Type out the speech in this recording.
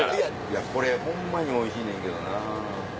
いやこれホンマにおいしいねんけどな。